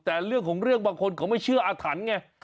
แต่เรื่องของเรื่องบางคนเขาไม่เชื่ออาถรรพ์ไง